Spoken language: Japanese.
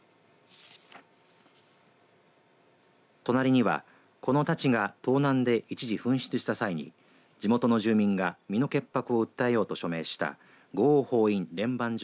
隣には、この太刀が盗難で一時紛失した際に地元の住民が身の潔白を訴えようと署名した。